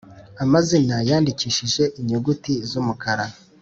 Amazina yandikishije inyuguti z’umukara